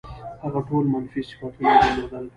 هغه ټول منفي صفتونه یې درلودل.